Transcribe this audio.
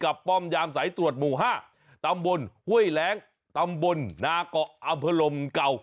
ป้อมยามสายตรวจหมู่๕ตำบลห้วยแรงตำบลนาเกาะอำเภอลมเก่า